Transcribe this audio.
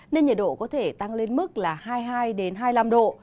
nên nhiệt độ có thể tăng lên mức là hai mươi hai hai mươi năm độ